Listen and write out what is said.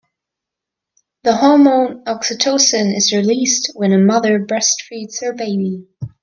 The hormone oxytocin is released when a mother breastfeeds her baby.